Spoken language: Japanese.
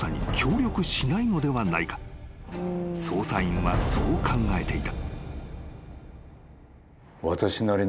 ［捜査員はそう考えていた］